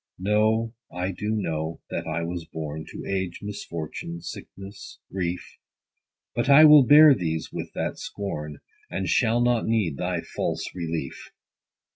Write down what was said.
60 No, I do know that I was born To age, misfortune, sickness, grief : But I will bear these with that scorn, As shall not need thy false relief.